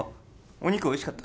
お肉おいしかった？